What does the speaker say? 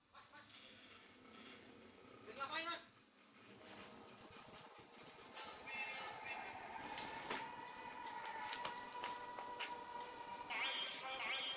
pasti orang enggak dean